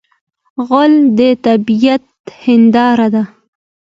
غول د طبعیت هنداره ده.